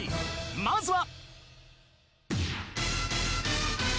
［まずは］